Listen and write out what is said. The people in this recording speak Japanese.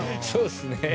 そうっすね！